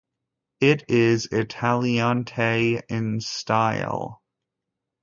It is Italianate in style.